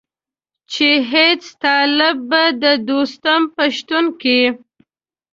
چې هېڅ طالب به د دوستم په شتون کې.